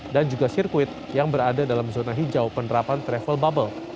dan juga sirkuit yang berada dalam zona hijau penerapan travel bubble